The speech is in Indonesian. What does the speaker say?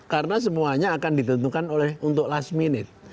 karena semuanya akan ditentukan untuk last minute